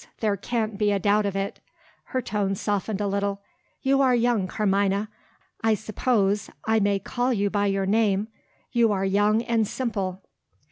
There can't be a doubt of it." Her tone softened a little. "You are young, Carmina I suppose I may call you by your name you are young and simple.